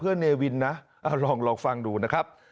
เอ้าลองรอฟังดูนะครับ